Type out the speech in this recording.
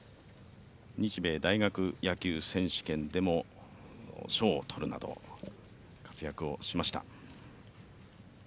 日米大学野球選手権でも賞をとるなど活躍をしました。